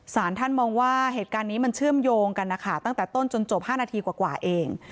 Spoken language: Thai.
สารท่านมองว่าเหตุการณ์นี้มันเชื่อมโยงกันนะคะตั้งแต่ต้นจนจบ๕นาทีกว่าเอง